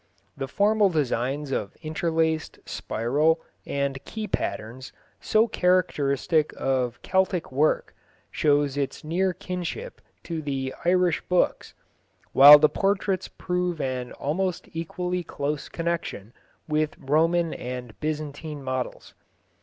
The formal designs of interlaced, spiral, and key patterns, so characteristic of Celtic work, show its near kinship to the Irish books, while the portraits prove an almost equally close connection with Roman and Byzantine models.